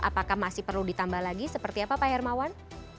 apakah masih perlu ditambah lagi seperti apa pak hermawan